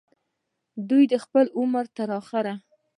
دوي د خپل عمر تر اخره